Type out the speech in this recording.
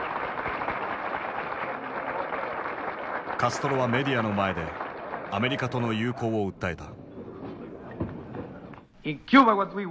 カストロはメディアの前でアメリカとの友好を訴えた。